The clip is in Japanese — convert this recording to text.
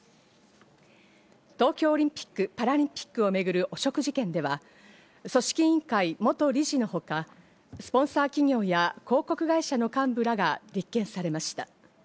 東京オリンピック・パラリンピックを巡る汚職事件では、組織委員会・元理事のほか、スポンサー企業や広告会社の幹部らが立件されました。